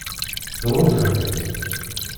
Tɣunfa-k?